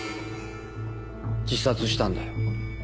自殺したんだよ。